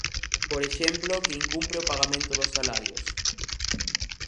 Por exemplo, que incumpre o pagamento dos salarios.